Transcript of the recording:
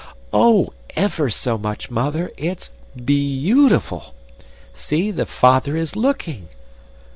"Oh, EVER so much, Mother. It's b e a u tiful! See, the father is looking!"